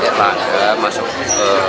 ya pak masuk ke